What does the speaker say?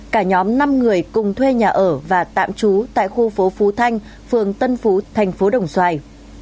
cả nhóm năm người cùng thuê nhà ở và tạm trú tại khu phố phú thanh phường tân phú thành phố đồng xoài